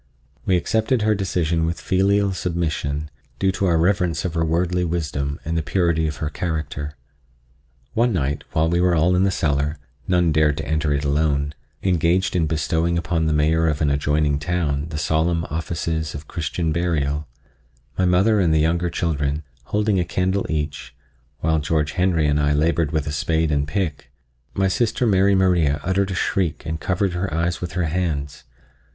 We accepted her decision with filial submission, due to our reverence for her wordly wisdom and the purity of her character. One night while we were all in the cellar—none dared to enter it alone—engaged in bestowing upon the Mayor of an adjoining town the solemn offices of Christian burial, my mother and the younger children, holding a candle each, while George Henry and I labored with a spade and pick, my sister Mary Maria uttered a shriek and covered her eyes with her hands.